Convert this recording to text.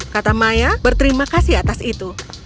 kata maya berterima kasih atas itu